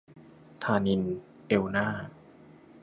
ธานินทร์ เอลน่า